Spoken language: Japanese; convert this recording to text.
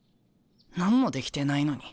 何もできてないのに。